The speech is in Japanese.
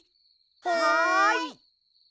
はい。